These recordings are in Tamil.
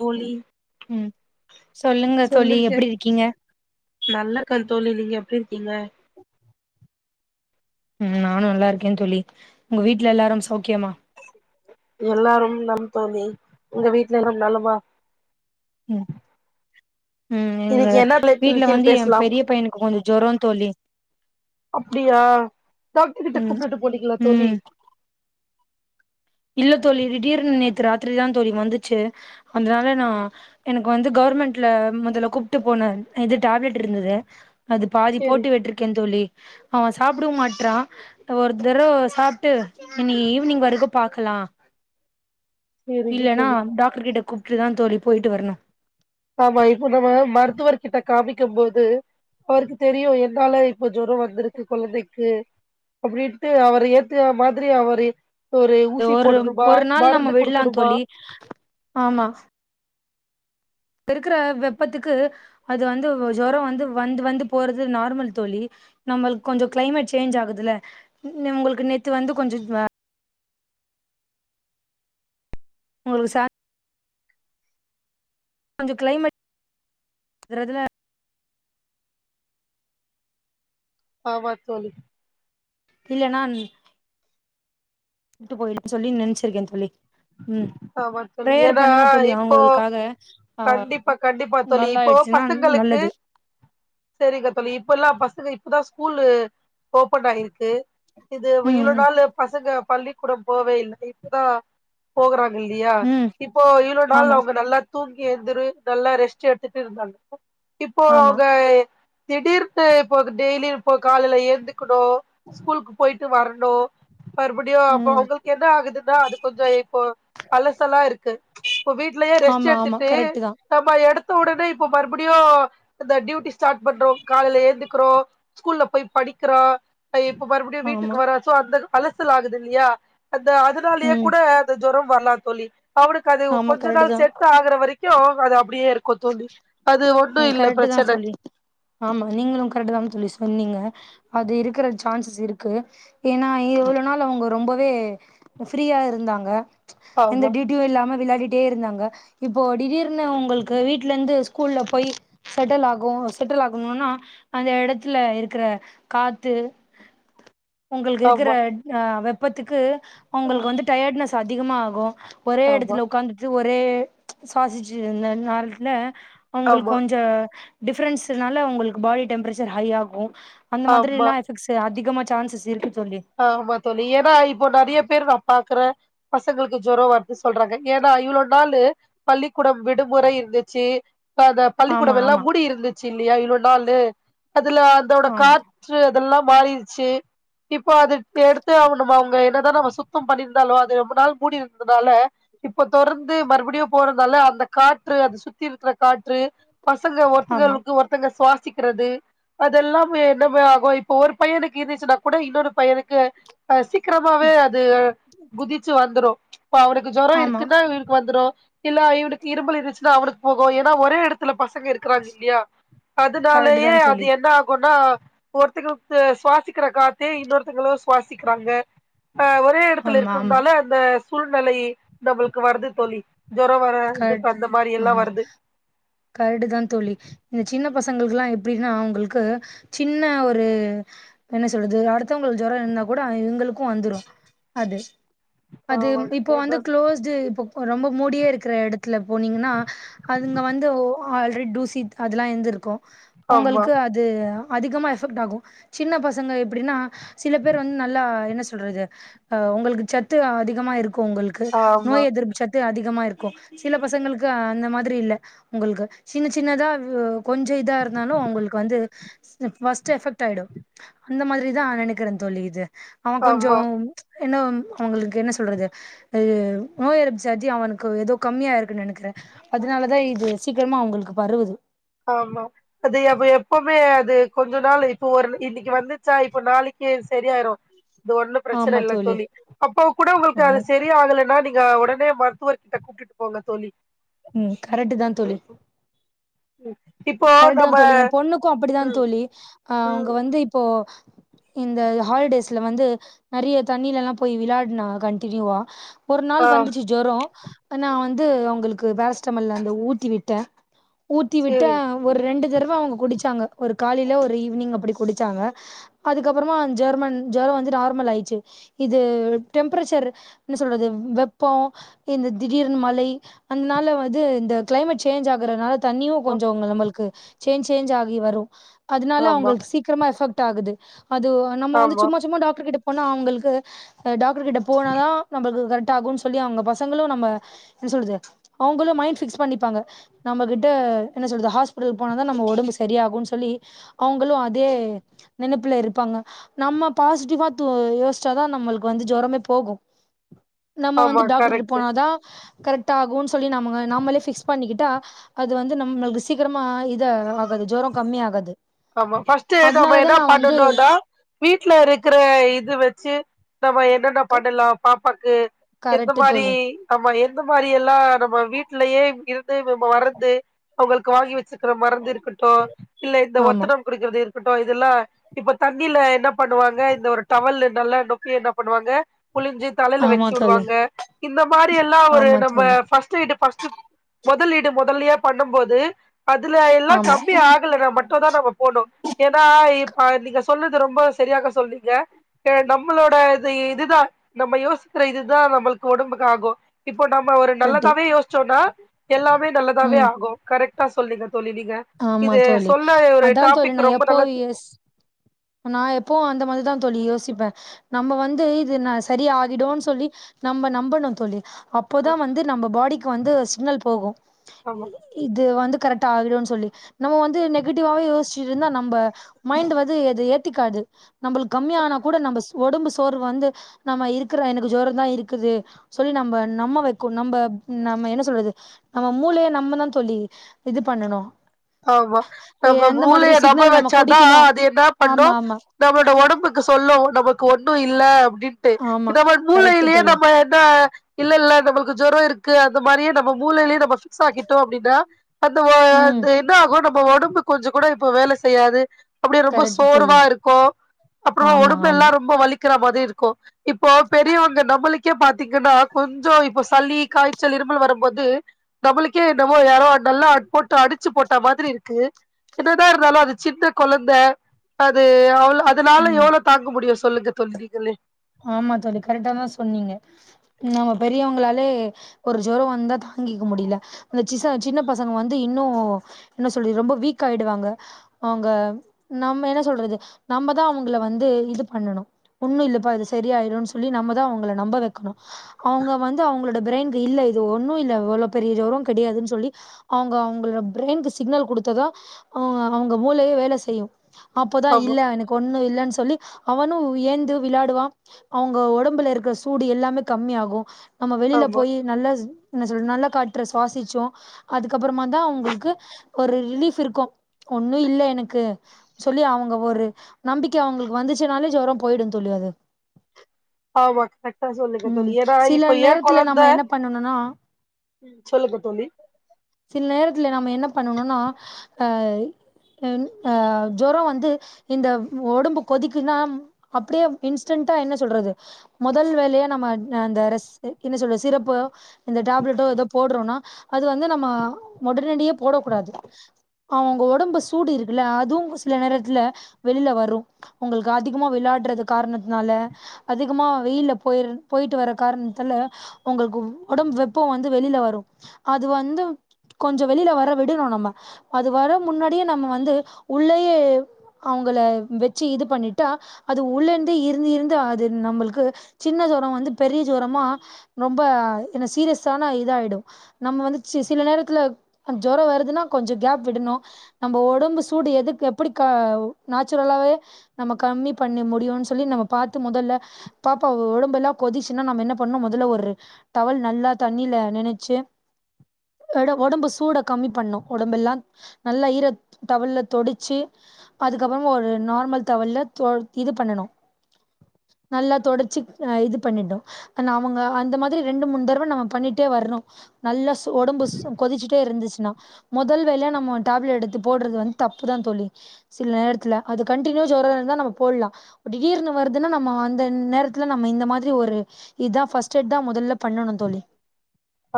தோழி உம் சொல்லுங்க தோழி எப்டி இருக்கீங்க நல்லா இருக்கே தோழி நீங்க எப்டி இருக்கீங்க உம் நானும் நல்லா இருக்கே தோழி உங்க வீட்ல எல்லாரும் சௌக்கியமா எல்லாரும் நலம் தோழி உங்க வீட்ல எல்லாம் நலமா உம் உம் எங்க இன்னைக்கு என்ன தலைப்பின் வீட்ல கீழ் வந்து எ பேசலாம் பெரிய பையனுக்கு கொஞ்சோ ஜுரோ தோழி அப்டியா டாக்டர் கிட்ட ம் கூப்டுட்டு போனீங்களா தோழி ம் இல்ல தோழி திடீர்னு நேத்து ராத்திரிதா தோழி வந்துச்சு அதனால நா எனக்கு வந்து கவர்மெண்ட்ல முதல கூப்ட்டு போன இது டேப்லெட் இருந்தது அது பாதி சேரி போட்டு விட்ருக்கே தோழி அவே சாப்டவே மாட்றான் ஒரு தடவ சாப்ட்டு இன்னைக்கு ஈவ்னிங் வரைக்கும் பாக்கலாம் சேரிங்க இல்லன்னா தோழி டாக்டர் கிட்ட கூப்ட்டு தா தோழி போயிட்டு வரணும் ஆமா இப்போ நம்ம மருத்துவர் கிட்ட காமிக்கும் போது அவருக்கு தெரியும் என்னால இப்ப ஜுரோம் வந்திருக்கு கொழந்தைக்கு அப்டின்ட்டு அவர ஏத்துர மாதிரி அவரு ஒரு ஊசி ஒரு போடனுமா ஒரு நாள் நம்ம மருந்து விடலா கொடுக்கணுமா தோழி ஆமா இப்ப இருக்குற வெப்பத்துக்கு அது வந்து ஜொரோ வந்து வந்து வந்து போறது நார்மல் தோழி நம்மளுக்கு கொஞ்சோ கிளைமேட் சேஞ்ச் ஆகுதுல உங்களுக்கு நேத்து வந்து கொஞ்சோ உங்ளுக்கு சா கொஞ்சோ கிளைமேட் றதுல ஆமா தோழி இல்லன்னா விட்டு போயிடலான்னு சொல்லி நினைச்சிருக்கே தோழி ம் ஆமா தோழி பிரேயர் ஏனா பண்ணுங்க தோழி இப்போ அவங்களுக்காக ஆ கண்டிப்பா கண்டிப்பா தோழி நல்லா இப்போ ஆயிடுச்சுன்னா பசங்களுக்கு நல்லது செரிங்க தோழி இப்பல்லா பசங்க இப்பதா ஸ்கூலு ஓபன் ஆயிருக்கு இது இவ்வளவு ம் நாள் பசங்க பள்ளிக்கூடம் போவே இல்ல இப்பதான போகுறாங்க இல்லையா ம் இப்போ இவ்ளவு நாள் ஆமா அவங்க நல்லா தூங்கி எந்திரி நல்லா ரெஸ்ட் எடுத்துட்டு இருந்தாங்க இப்போ ஆமா அவங்க திடீர்னு இப்போ டெய்லி இப்ப காலையில எந்துக்கணு ஸ்கூலுக்கு போய்ட்டு வரணு மறுபடியு அப்போ ம் அவங்களுக்கு என்ன ஆகுதுன்னா அது கொஞ்சோ இப்போ பழசலா இருக்கு இப்ப வீட்லயே ரெஸ்ட் ஆமா ஆமா எடுத்துட்டு கரெக்ட் தா நம்ம எடுத்த உடனே இப்ப மறுபடியு இந்த டியூட்டி ஸ்டார்ட் பண்றோ காலைல எழுந்துக்கிறோ ஸ்கூல்ல போய் படிக்கிறா இப்ப மறுபடியு ஆமா வீட்டுக்கு வர சோ அந்த அலசல் ஆகுது இல்லையா அந்த அதனாலேயே ம் கூட ஜுரோ வரலா தோழி அவனுக்கு அது ஆமா கொஞ்சே கரெக்ட் நாள் தா செட்டு ஆகுற வரைக் க்கு அது அப்டியே இருக்கு தோழி அது ஒன்னு ம் இல்ல கரெக்ட் தா பிரச்சன தோழி ஆமா நீங்களு கரெக்ட் தானே தோழி சொன்னீங்க அது இருக்குற சான்சஸ் இருக்கு ஏன்னா இவ்ள நாள் அவங்க ரொம்பவே ஃப்ரீயா இருந்தாங்க இந்த ஆமா டி டி வி இல்லாம விளையாடிட்டே இருந்தாங்க இப்போ திடீர்னு உங்களுக்கு வீட்டுல இருந்து ஸ்கூல்ல போய் செட்டில் ஆகு செட்டில் ஆகணும்னா அந்த இடத்துல இருக்கிற காத்து உங்களுக்கு இருக்குற ஆமா அ வெப்பத்துக்கு ம் உங்களுக்கு வந்து டயர்ட்னஸ் அதிகமா ஆகு ஒரே ஆமா இடத்துல உக்காந்துட்டு ஒரே சுவாசிச்சு இருந்தனால ஆமா உங்களுக்கு கொஞ்ச டிஃப்ரென்ஸ்னால உங்களுக்கு பாடி டெம்பரேச்சர் ஹை ஆகு அந்த ஆமா மாதிரிலா அதிகமா சான்சஸ் இருக்கு தோழி ஆமா தோழி ஏனா இப்ப நிறய பேரு நா பாக்குறே பசங்களுக்கு ஜொரோ வருது சொல்றாங்க ஏனா இவ்ளோ நாளு பள்ளிக்கூடோ விடுமுறை இருந்துச்சு டாங்க ஆமா பள்ளிக்கூடோமெல்லா ஆமா மூடி இருந்துச்சு இல்லையா இவ்ளோ நாளு அதுல அதோட கா ஆமா று அதெல்லா மாறிருச்சு இப்போ அது எடுத்தே ஆகனுமா அவங்க என்னதா நம்ம சுத்தம் பண்ணியிருந்தாலோ அது ரொம்ப நாள் மூடியிருந்ததுனால இப்ப தொறந்து மறுபடியு போறனால அந்த காற்று அந்த சுத்தி இருக்குற காற்று பசங்க ஆமா ஒருத்தங்களுக்கு ஒ த்தவங்க சுவாசிக்கிறது அதெல்லா என்னமா ஆகு இப்ப ஒரு பையனுக்கு இருந்துச்சுன்னா கூட இன்னொரு பையனுக்கு அ சீக்கிரமாவே அது குதிச்சு வந்துரு இப்ப அவனுக்கு ஜொரோ ஆமா இருக்குன்னா இவனுக்கு வந்துடு இல்ல இவனுக்கு இரும்பல் இருந்துச்சுன்னா அவனுக்கு போகு ஏனா ஒரே இடத்துல பசங்க இருக்குறாங்க இல்லயா கரெக்ட் அதுனாலயே தா அது தோழி என்ன ஆகுனா ஒருத்தங்களுக்கு சுவாசிக்குற காத் தே இன்னொருத்தங்களு சுவாசிக்கிறாங்க இப்ப ஒரே எடத்துல ஆமா ஆமா இருக்குறதுனால அந்த சூழ்நிலை நம்மளுக்கு வருது தோழி ஜொர வர இது இப்ப அந்த மாரியெல்லா வருது கரெக்டு தா தோழி இந்த சின்ன பசங்களுக்குலா எப்டினா அவ்ங்களுக்கு சின்ன ஒரு இப்ப என்ன சொல்றது அடுத்தவ்ங்களுக்கு ஜொர இருந்தாக் கூட ஆ இவ்ங்களுக்கு வந்துரு அது அது ஆமா இப்போ வந்து ஆமா க்ளோஸ் அது இப்ப ரொம்ப மூடியே இருக்குற எடத்துல போனீங்கனா அதுங்க வந்து ஒ ஆல்ரெடி டூசித் அதெல்லா இருந்துருக்கு ஒங்களுக்கு அது அது அதிகமாக எஃபெக்ட் ஆகு சின்ன பசங்க எப்டினா சில பேர் வந்து நல்லா என்ன சொல்றது அ உங்களுக்கு சத்து அதிகமா இருக்கு ஒங்களுக் க்கு ஆமா நோய் எதிர்ப்பு சத்து அதிகமா இருக் க்கு சில பசங்களுக்கு அந்த மாதிரி இல்ல உங்களுக்கு சின்ன சின்னதா வு கொஞ்ச இதா இருந்தாலு அவ்ங்களுக்கு வந்து ம் ஃபஸ்ட்டு எஃபெக்ட் ஆயிடு அந்த மாதிரி தா நெனைக்கிறே தோழி இது அவ கொஞ்சோ ஆமா என்ன அவ்ங்களுக்கு என்ன சொல்றது ஐய நோய் எருப்பு சத்தி அவனுக்கு எதோ கம்மியா இருக்குன் நெனைக்கிறே அதனாலதா இது சீக்கிரமா அவ்ங்களுக்கு பரவுது ஆமா அது அவ எப்போமே அது கொஞ்ச நாள் இப்போ ஒரு இன்னைக்கு வந்துச்சா இப்ப நாளைக்கே இது செரியாயிரு இது ஒன்னு பிரச்சன இல்ல தோழி அப்போ கூட உங்களுக்கு அது ஆமா செரி ரியாகலனா நீங்க ஒடனே மருத்துவர்க் கிட்ட கூட்டிட்டு போங்க தோழி ம் கரெக்ட்டுதா தோழி ம் இப்போ கரெக்ட்டு தா நம்ம தோழி எ பொண்ணுக்கு அப்டிதா தோழி ஆ அவ்ங்க ம் வந்து இப்போ இந்த ஹாலிடேஸ்ல வந்து நெறைய தண்ணிலலா போய் விளாடுனா கண்டினியூவா ஒரு நாள் ஆ வந்துச்சு ஜொர நா வந்து அவ்ங்களுக்கு பேராசிட்டமல் வந்து ஊட்டி விட்டே ஊத்தி விட் சேரி ஒரு ரெண்டு தடவ அவ்ங்க குடிச்சாங்க ஒரு காலைல ஒரு ஈவினிங் அப்டி குடிச்சாங்க அதுக்கப்பறமா ஜெர்மன் ஜொர வந்து நார்மல் ஆயிட்ச்சு இது டெம்பரேச்சர் என்ன சொல்றது வெப்போ இந்த திடீர்னு மழை அன்னால வது இந்த கிளைமேட் சேஞ்ச் ஆகுறனால தண் கொஞ்ச அங்க நம்மளுக்கு சேஞ்ச் சேஞ்ச் ஆகி வரு அதுனால ஆமா அவ்ங்களுக்கு சீக் க்கிரமா எஃபெக்ட் ஆகுது அது நம்ம வந்து ஆமா சும்மா சும்மா டாக்டர்க் கிட்ட போனா அவ்ங்களுக்கு அ டாக்டர்க் கிட்ட போனா தா நம்பளுக்கு கரெக்ட் ஆகுன் சொ சொல்லி அவ்ங்க பசங்களு நம்ம என்ன சொல்றது அவ்ங்களு மைண்ட் ஃபிக்ஸ் பண்ணிப்பாங்க நம்ம கிட்ட என்ன சொல்றது ஹாஸ்பிட்டல் போனா தா நம்ம ஒடம்பு செரியாகுன் சொல்லி அவ்ங்களு அதே நெனைப்புல இருப்பாங்க நம்ம பாசிட்டிவா து யோசிச்சாதா நம்மளுக்கு வந்து ஜொரமே போகு நம்ம வந்து ஆமா டாக்டர்ட்ட கரெக்ட்டு போனா தா கரெக்ட் ஆகுன் சொல்லி நம்ம நாமளே ஃபிக்ஸ் பண்ணிக்கிட்டா அது வந்து நம்மளுக்கு சீக்கிரமா இதா ஆகாது ஜொர கம்மியாகாது ஆமா ஃபஸ்ட்டு நம்ம என்ன பண்ணனுனா வீட்ல இருக்கிற இது வெச்சு நம்ம என் என்னென்ன பண்ணலா பாப்பாக்கு எந்த கரெக்ட் மாரி தோழி ஆமா எந்த மாரியெல்லா நம்ம வீட்லயே இருந்து நம்ம வர்றந்து அவ்ங்களுக்கு வாங்கி வெச் சுக்கிற மருந்து இருக்கட்டு இல்ல இந்த ஆமா ஒத்தடம் குடுக்கிறது இருக்கட்டு இதுலா இப்ப தண்ணில என்ன பண்ணுவாங்க இந்த ஒரு டவல நல்லா நொப்பி என்ன பண்ணுவாங்க புழிஞ்சி தலைல ஆமா வெச்சு தோழி உடுவாங்க இந்த மாரி எல்லா ஒரு ஆமா நம்ம தோழி ஃபஸ்ட்டீடு ஃபஸ்ட்டு முதலீடு முதல்லியே பண்ணும் போது அதுல எல்லா ஆமா கம்மி ஆகலனா மட்டு தா நம்ம போணு ஏனா இப்ப நீங்க சொல்றது ரொம்ப சரியாக சொல்றீங்க அ நம்மளோட இது இதுதா நம்ம யோசிக்கிற இதுதா நம்மளுக்கு ஒடம்புக்கு ஆகு இப்போ நம்ம ஒரு கரெக்ட் நல்லதாவே யோசிச்சோனா எல்லாமே நல்லதாவே ம் ஆகு கரெக்டா சொல்லீங்க தோழி நீங்க ஆமா இது தோழி சொல்ல ஒரு அதா தோழி நா டாபிக் ரொம்ப எப்போ நல்ல யோசி நா எப்போ அந்த மாரிதா தோழி யோசிப்பே நம்ம வந்து இது ந சரி ஆகிடுன் சொல்லி நம்ம நம்பணு தோழி அப்போதா வந்து நம்ம பாடிக்கு வந்து சிக்னல் போகு ஆமா இ இது வந்து கரெக்டா ஆகிடு தோழி நம்ம வந்து நெகட்டிவாவே யோஸ்ச்சிட்ருந்தா நம்ம மைண்ட் வந்து எது ஏத்துக்காது நம்மளுக்கு கம்மிய ஆனா கூட நம்ம உடம்பு சோர்வு வந்து நம்ம இருக்கிற எனக்கு ஜொரந்தா இருக்குது சொல்லி நம்ம நம்ம வெக்கு நம்ம நம்ம என்ன சொல்றது நம்ம மூளைய நம்மதா தோழி இது பண்ணணு ஆமா நம்ம மூளைய நம்ப சிக்னல் நம்ம வெச்சாதா குடிக்கணு அது என்னா பண்ணு ஆமா ஆமா நம்மளோட ஒம்புக்கு சொல்லு நமக்கு ஒன்னு இல்ல அப்டின் ட்டு ஆமா நம்ம கரெக்ட் மூலையிலே தோழி நம்ம என்ன இல்லல்ல நமக்கு ஜொரோ இருக்கு அந்த மாரியே நம்ம மூலைய்லே நம்ம ஃபிக்ஸ்ஸாக்கிட்டோ அப்டின்னா அந்த ஒ ம் என்னாகு நம்ம ஒடம்பு கொஞ்ச கூட இப்ப வேல செய்யாது அப்டியே ரொம்ப கரெக்ட் தோழி சோர்வா இருக்கு அப்றோ ஆமா ஒடம்பு எல்லா ஆமா ரொம்ப வலிக்கிற மாத்ரி இருக்கு இப்போ பெரியவங்க நம்மளுக்கே பாத்தீங்கன்னா கொஞ்சோ இப்போ சளி காய்ச்சல் இருமல் வரும்போது நம்மளுக்கே என்னமோ யாரோ நல்லா போட்டு அடி ச்சு போட்ட மாதிரி இருக்கு என்னதா இருந்தாலு அது சின்ன கொழந்த அது அவள இதனால ம் எவ்ளோ தாங்க முடியு சொல்லுங்க தோழி நீங்களே ஆமா தோழி கரெட்டாதா சொன்னீங்க நம்ம பெரியவங்களாலே ஒரு ஜொரோ வந்தா தாங்கிக்க முடியல இந்தசிச சின்ன பசங்க வந்து இன்னு என்ன சொல்லி ரொம்ப வீக் ஆயிடுவாங்க அவுங்க நம்ம என்ன சொல்றது நம்மதா அவுங்கல வந்து இது பண்ணணு ஒண்ணு இல்லப்பா இது சரியாய்டு சொல்லி நம்மதா அவுங்கள நம்ப வெக்கணு அவுங்க வந்து அவுங்கள இந்த பிரய்ன்க்கு இல்ல இது ஒன்னு இல்ல இவ்ளோ பெரிய ஜொரோங் கெடையாதுன் சொல்லி அவுங்க அவுங்களோட பிரெயின்கு சிக்னல் குடுத்ததா அவ அவுங்க மூலயே வேல செய்யு அப்பதா ஆமா இல்ல எனக்கு ஒன்னு இல்லன் சொல்லி அவனு ஏந்து விளாடுவா அவுங்க ஒடம்புல இருக்கிற சூடு எல்லாமே கம்மிய ஆகு நம்ம வெளில ஆமா போயி் நல்லா என்ன சொல் நல்ல காற்ற சுவாசிச்சோ அதுக்கப்பறமா தா அவுங்களுக்கு ஒரு ரிலீஃப் இருக்கு ஒன்னு இல்ல எனக் கு சொல்லி அவுங்க ஒரு நம்பிக்கை அவுங்களுக்கு வந்துச்சுனாலே ஜொரோ போயிடுந் தோழி அது ஆமா கரெட் அ ம் சொல்லுங்கத்தோழி ஏனா சில இப்ப எ நேரத்துல கொழந்த நம்ம என்ன பண்ணணும்னா ம் சொல்லுங்க தோழி சில நேரத்துல நம்ம என்ன பண்ணணுனா அ ன் அ ஜொரோ வந்து இந்த ஒடம்பு கொதிக்குன்னா அப்டியே இன்ஸ்டன்டா என்ன சொல்றது மொதல் வேலயா நம்ம அந்த ரெஸ் என்ன சொல்ல சிரப்பு இந்த டேப்லெட்டோ எதோ போட்றோனா அது வந்து நம்ம மொதனடியே போடக் கூடாது அவுங்க ஒடம்பு சூடு இருக்குல்ல அது சில நேரத்துல வெளில வரு உங்களுக்கு அதிகமா விளையாடுறது காரணத்தினால அதிகமா வெயில போயிரு பொய்ட்டு வர காரணத்துல உங்களுக்கு உடம்பு வெப்போ வந்து வெளில வரு அது வந்து கொஞ்சோ வெளில வர விடணு நம்ம அது வர முன்னாடியே நம்ம வந்து உள்ளயே அவுங்கள வெச்சு இது பண்ணிட்டா அது உள்ள இருந்தே இருந்து இருந்து அது நம்மளுக்கு சின்னதா வந்து பெரிய ஜொரமா ரொம்ப எனா சீரியஸான இத ஆய்டு நம்ம வந்து சி சில நேரத்துல ஜொரோ வருதுன்னா கொஞ்சோ கேப் விடணு நம்ப ஒடம்பு சூடு எதுக்கு எப்டி க நேச்சுரலாவே நம்ம கம்மி பண்ணி முடியுன் சொல்லி நம்ம பாத்து முதல்ல பாப்பா ஒடம்பெலா கொதிச்சுன்னா நம்ம என்ன பண்ணு மொதல ஒரு டவல் நல்லா தண்ணில நெனச்சு எட ஒடம்பு சூட கம்மி பண்ணு ஒடம்பெல்லா நல்லா ஈர டவல்ல தொடச்சு அதுக்கப்புறோ ஒரு நார்மல் தவல்ல தோ இது பண்ணணு நல்லா தொடச்சி ஆ இது பண்ணிட்டோ எனா அவுங்க அந்த மாதிரி ரெண்டு மூண் தடவ நம்ம பண்ணிட்டே வர்ணு நல்லா ஒடம்பு கொதிச்சிட்டே இருந்துச்சுன்னா மொதல் வேலயா நம்ம டாப்லெட் எடுத்து போட்றது வந்து தப்புதா தோழி சில நேரத்துல அது கண்டினியூவா ஜொரோ இருந்தா நம்ம போட்லா அப்ப திடிர்னு வருதுன்னா நம்ம அந்த நேரத்துல நம்ம இந்த மா ரி ஒரு இதா ஃபஸ்ட் எட் தா மொதல்ல பண்ணணு தோழி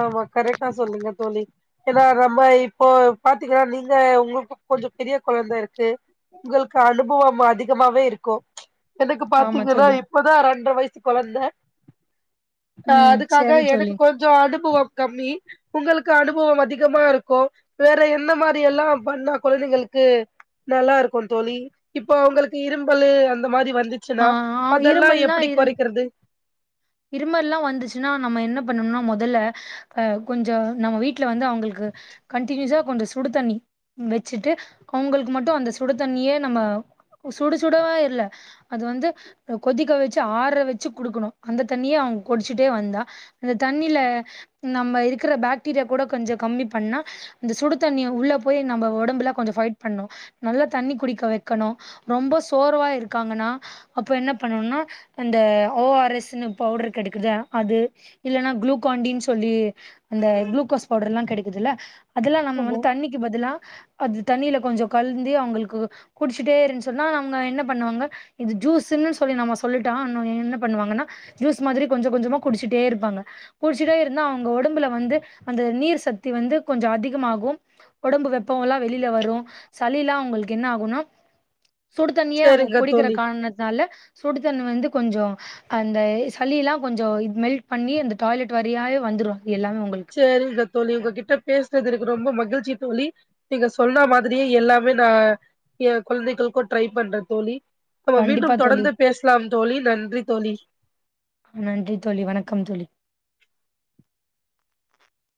ஆமா கரெக்டா சொன்னீங்க தோழி எனா நம்ம இப்போ பாத்தீங்கன்னா நீங்க உங்களுக்கு கொஞ்சோ பெரிய கொழந்த இருக்கு உங்களுக்கு அனுபவம் அதிகமாவே இருக்கு எனக்கு ஆமா பாத்தீங்கன்னா தோழி இப்பதா ரெண்ற வய்சு கொழந்த ஆ ம் அதுக்காக சரி எனக்கு தோழி கொஞ்சோ அனுபவம் கம்மி உங்களுக்கு அனுபவம் அதிகமா இருக்கு வேற என்னமாரி எல்லா பண்ணா கொழந்தைங்களுக்கு நல்லாருக்கு தோழி இப்போ உங்களுக்கு இரும்பலு அந்த மாரி வந்து ஆ சுனா அதெல்லா இருமல்னா எப்டி இருந் கொறைக்கிறது இருமல்லா வந்துச்சுன்னா நம்ம என்ன பண்ணனுனா மொதல்ல அ கொஞ்சோ நம்ம வீட்ல வந்து அவுங்களுக்கு கண்டினியூஸா கொஞ்சோ சுடு தண்ணி வெச்சுட்டு அவுங்களுக்கு மட்டு அந்த சுடு தண்ணியே நம்ம சுட சுடவே இல்ல அது வந்து கொதிக்க வெச்சு ஆற வெச்சு குடுக்குணு அந்த தண்ணியே அவுங்க குடிச்சிட்டே வந்தா அந்த தண்ணில நம்ம இருக்குற பாக்டீரியா கூட கொஞ்சோ கம்மி பண்ணா அந்த சுடு தண்ணி உள்ள போய் நம்ம ஒடம்புல கொஞ்சோ ஃபைட் பண்ணு நல்லா தண்ணி குடிக்க வெக்கணு ரொம்ப சோர்வா இருக்காங்கன்னா அப்போ என்ன பண்ணணுனா அந்த ஓ ஆர் எஸ் இன்னு பவுடர் கடைக்குது அது இல்லன்னா குளுகாண்டின் சொல்லி அந்த குளுக்கோஸ் பவுடர்லா கடைக்குதுல்ல அதெல்லா நம்ம ஆமா வந்து தண்ணிக்கு பதிலா அது தண்ணில கொஞ்சோ கழ்ந்து அவுங்களுக்கு குடிச்சுட்டே இருன் சொன்னா அவுங்க என்ன பண்ணுவாங்க இது ஜூஸுன்னு சொல்லி நம்ம சொல்லிட்டா என்ன பண்ணுவாங்கன்னா ஜூஸ் மாதிரி கொஞ்சோ கொஞ்சமா குடிச்சுட்டே இருப்பாங்க குடிச்சிட்டே இருந்தா அவுங்க ஒடம்புல வந்து அந்த நீர் சக்தி வந்து கொஞ்சோ அதிகமாகு ஒடம்பு வெப்போலா வெளில வரு சளிலா அவுங்களுக்கு என்ன ஆகுனா சுடுதண்ணியே அவுங்க சேரிங்க குடிக்கிற தோழி காரணத்தால சுடுதண்ணி வந்து கொஞ்சோ அந்த சளிலா கொஞ்சோ இது மெல்ட் பண்ணி அந்த டாய்லெட் வழியாவே வந்துரு எல்லாமே உங்களுக்கு சேரிங்க தோழி உங்ககிட்ட பேசுனது எனக்கு ரொம்ப மகிழ்ச்சி தோழி நீங்க சொன்ன மாதிரியே எல்லாமே நா எ கொழ்ந்தைகளுக்கு ட்ரை பண்றே தோழி நம்ம கண்டிப்பா மீண்டும் தோழி தொடர்ந்து பேசலாம் தோழி நன்றி தோழி நன்றி தோழி வணக்கம் தோழி